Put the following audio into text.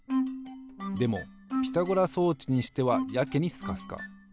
でもピタゴラ装置にしてはやけにスカスカ。